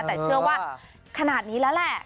แต่เชื่อว่าขนาดนี้แล้วแหละ